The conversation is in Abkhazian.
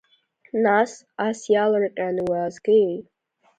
Нас, ас иаалырҟьаны уаазгеи?